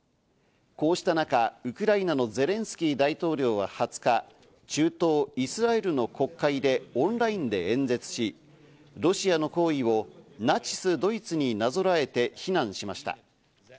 こうした中、ウクライナのゼレンスキー大統領は２０日、中東イスラエルの国会でオンラインで演説し、ロシアの行為をナチスドイツになぞらえて非難しました。